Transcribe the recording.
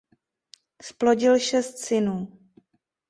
Zplodil šest synů.